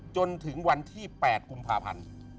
จนถึงวันที่๘กุมภาพันธ์